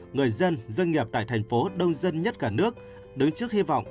người dân doanh nghiệp tại thành phố đông dân nhất cả nước đứng trước hy vọng